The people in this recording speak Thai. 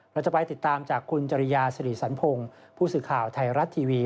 เราจะไปติดตามจากคุณจริยาสิริสันพงศ์ผู้สื่อข่าวไทยรัฐทีวี